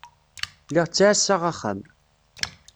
Lliɣ ttɛassaɣ axxam.